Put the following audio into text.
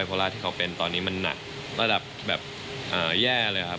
หลังบริจา